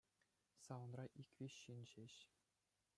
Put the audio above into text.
Салонра ик-виҫ ҫын ҫеҫ.